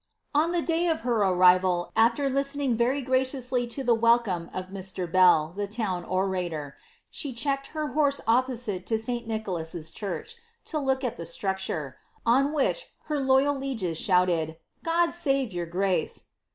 * On the day of her arrival, aflt listening very graciously to the welcome of Mr. Bell, the town oratoi she checked her horse opposite Si. Nicholas' church, to look at th Btruclure; on which her loval lieges shouted, "God save your grace!